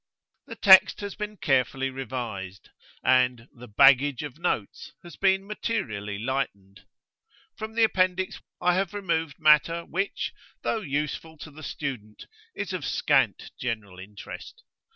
The text has been carefully revised, and the "baggage of notes" has been materially lightened.[FN#1] From the Appendix I have removed matter which, though useful to the student, is of scant general interest.